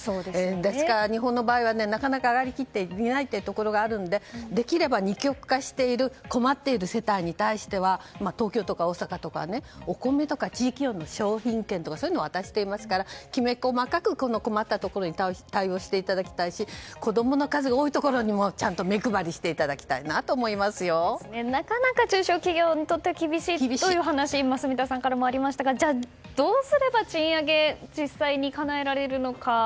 ですから日本の場合はなかなか上がり切っていないというところがあるのでできれば二極化している困っている世帯に対しては東京とか大阪とかお米とか地域での商品券とかそういうのを渡していますからきめ細かく困ったところに対応していただきたいし子供の数が多いところにも目配りしていただきたいとなかなか中小企業にとって厳しいというお話が住田さんからもありましたがどうすれば賃上げ実際にかなえられるのか。